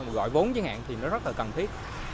mà gọi vốn giới hạn thì nó rất là cần thiết